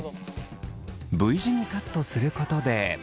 Ｖ字にカットすることで。